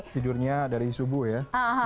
tidurnya dari subuh ya